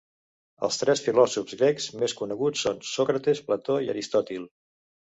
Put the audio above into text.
Els tres filòsofs grecs més coneguts són Sòcrates, Plató i Aristòtil.